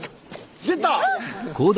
出た！